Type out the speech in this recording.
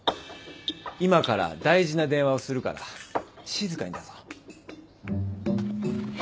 今から大事な電話をするから静かにだぞ。